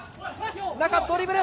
中、ドリブル。